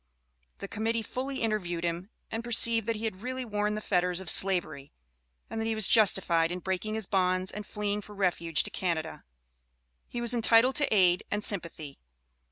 The Committee fully interviewed him, and perceived that he had really worn the fetters of Slavery, and that he was justified in breaking his bonds and fleeing for refuge to Canada, and was entitled to aid and sympathy.